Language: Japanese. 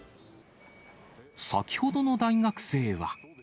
先ほどの大学生は。